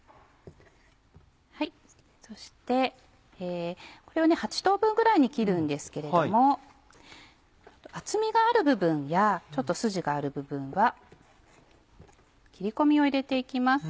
そしてこれを８等分ぐらいに切るんですけれども厚みがある部分やちょっとスジがある部分は切り込みを入れて行きます。